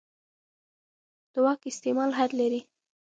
د واک استعمال حد لري